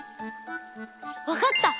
わかった！